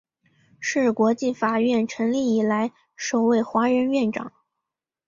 是国际法院成立以来首位华人院长。